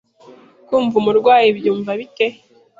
Kwumva umurwayi byumva bite?